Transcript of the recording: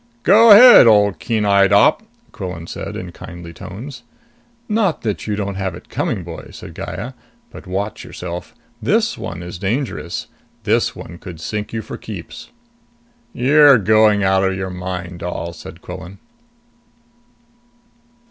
"Go ahead, ole keen eyed op!" Quillan said in kindly tones. "Not that you don't have it coming, boy," said Gaya. "But watch yourself! This one is dangerous. This one could sink you for keeps." "You're going out of your mind, doll," said Quillan.